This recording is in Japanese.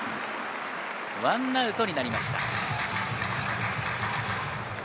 １アウトになりました。